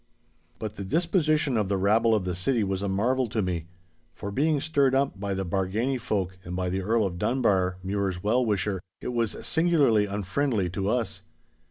But the disposition of the rabble of the city was a marvel to me. For being stirred up by the Bargany folk and by the Earl of Dunbar, Mure's well wisher, it was singularly unfriendly to us.